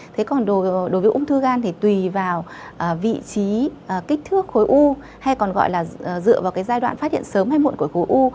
thế còn đối với ung thư gan thì tùy vào vị trí kích thước khối u hay còn gọi là dựa vào cái giai đoạn phát hiện sớm hay muộn của khối u